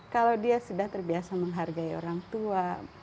kalau dia sudah terbiasa menghargai orang tua